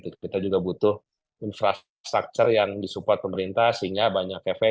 kita juga butuh infrastruktur yang disupport pemerintah sehingga banyak efek